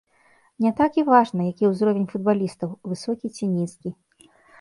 Не так і важна, які ўзровень футбалістаў, высокі ці нізкі.